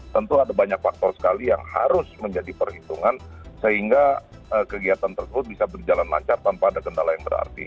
tentu ada banyak faktor sekali yang harus menjadi perhitungan sehingga kegiatan tersebut bisa berjalan lancar tanpa ada kendala yang berarti